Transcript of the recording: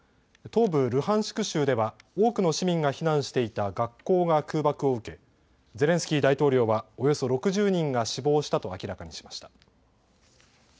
東部ルハンシク州では多くの市民が避難していた学校が空爆を受けゼレンスキー大統領はおよそ６０人が死亡したと明らかにしました。